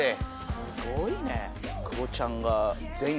すごいね。